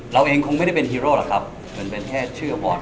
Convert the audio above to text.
เราเองคงไม่ได้เป็นฮีโร่หรอกครับมันเป็นแค่ชื่อบอร์ด